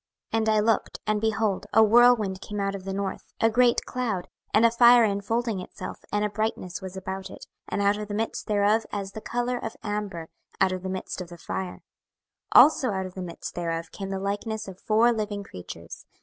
26:001:004 And I looked, and, behold, a whirlwind came out of the north, a great cloud, and a fire infolding itself, and a brightness was about it, and out of the midst thereof as the colour of amber, out of the midst of the fire. 26:001:005 Also out of the midst thereof came the likeness of four living creatures.